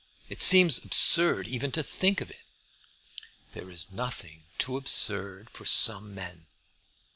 It seems absurd even to think it." "There is nothing too absurd for some men.